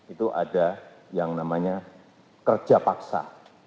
itu ada yang namanya kerja paksa